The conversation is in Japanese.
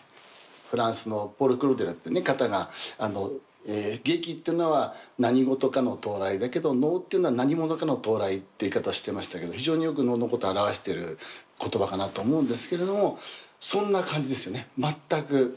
フランスのポール・クローデルって方が劇っていうのは「何事かの到来」だけど能っていうのは「何者かの到来」って言い方をしていましたけど非常によく能のことを表してる言葉かなと思うんですけれどもそんな感じですよね全く。